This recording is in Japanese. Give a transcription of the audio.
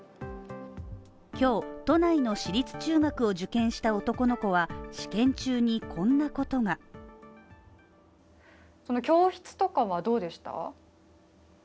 今日、都内の私立中学を受験した男の子は試験中にこんなことが教室とかはどうでした？